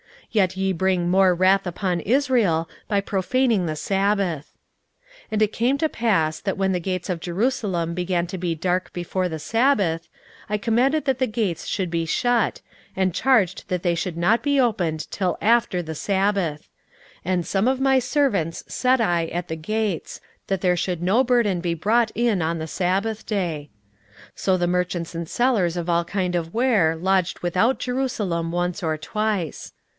yet ye bring more wrath upon Israel by profaning the sabbath. 16:013:019 And it came to pass, that when the gates of Jerusalem began to be dark before the sabbath, I commanded that the gates should be shut, and charged that they should not be opened till after the sabbath: and some of my servants set I at the gates, that there should no burden be brought in on the sabbath day. 16:013:020 So the merchants and sellers of all kind of ware lodged without Jerusalem once or twice.